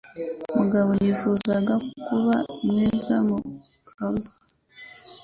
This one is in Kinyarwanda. Mugabo yifuzaga kuba mwiza mu koga.